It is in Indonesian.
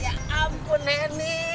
ya ampun heni